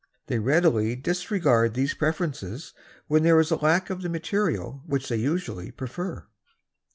They readily disregard these preferences when there is a lack of the material which they usually prefer.